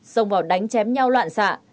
xông vào đánh chém nhau loạn xạ